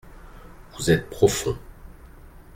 Vous êtes profond.